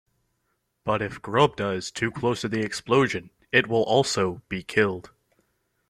But if Grobda is too close to the explosion, it will also be killed.